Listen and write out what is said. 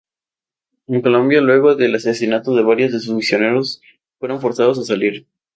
En Colombia, luego del asesinato de varios de sus misioneros, fueron forzados a salir.